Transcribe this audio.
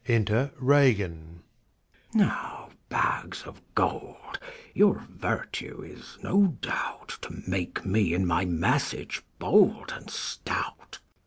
Enter Ragan. Now bags ofLgoki, your virtue is (no doubt) To make me in my message bold and stout.